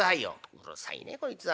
「うるさいねこいつは。